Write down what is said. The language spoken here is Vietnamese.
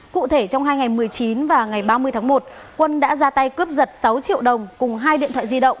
cụ thể trong hai ngày một mươi chín và ngày ba mươi tháng một quân đã ra tay cướp giật sáu triệu đồng cùng hai điện thoại di động